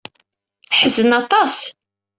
Teḥzen aṭas.